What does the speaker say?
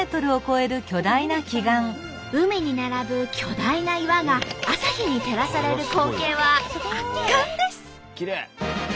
海に並ぶ巨大な岩が朝日に照らされる光景は圧巻です。